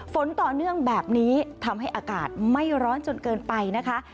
ฝนต่อเนื่องแบบนี้ทำให้อากาศไม่ร้อนจนเกินไปนะคะ